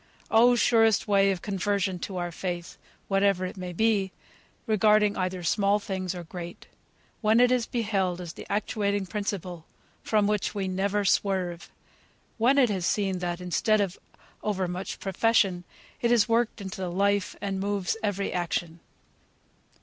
Oh! surest way of conversion to our faith, whatever it may be, regarding either small things, or great, when it is beheld as the actuating principle, from which we never swerve! When it is seen that, instead of over much profession, it is worked into the life, and moves every action!